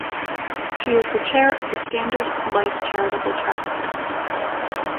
She is Chair of the Standard Life Charitable Trust.